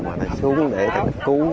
để nó xuống để cứu